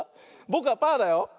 ぼくはパーだよ。